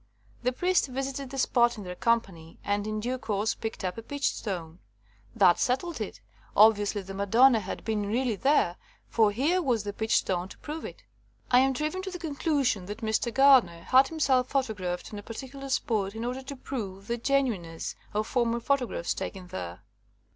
The priest visited the spot in their company, and in due course picked up a peach stone. That settled it. Obviously the Madonna had been really there, for here was the peach stone to prove it. I am driven to the conclusion that Mr. Gardner had himself photographed on a particular spot in order to prove the genu ineness of former photographs taken there.